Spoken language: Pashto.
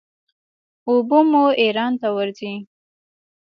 اوبه مو ایران ته ورځي.